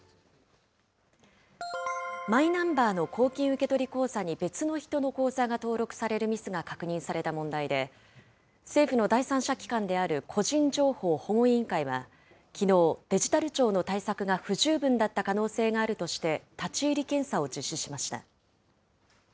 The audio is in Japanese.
マイナンバーの公金受取口座に別の人の口座が登録されるミスが確認された問題で、政府の第三者機関である個人情報保護委員会は、きのう、デジタル庁の対策が不十分だった可能性があるとして、立ち入り検査を実施しました。